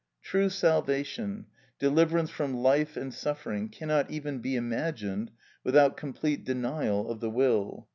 True salvation, deliverance from life and suffering, cannot even be imagined without complete denial of the will.